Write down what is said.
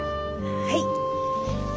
はい。